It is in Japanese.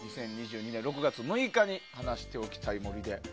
２０２２年６月６日に話しておきたい森。